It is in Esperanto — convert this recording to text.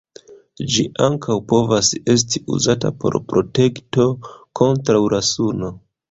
Ĝi ankaŭ povas esti uzata por protekto kontraŭ la suno.